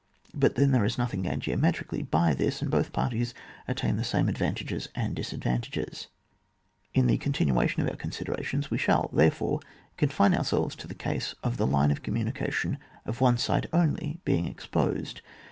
But then there is nothing gained geo metrically by this, and both parties attain the same advantages and disad vantages. ...^ In the continuation of our considera tions we shall, therefore, confine our selves to the case of the line of commu nication of one side only being exposed.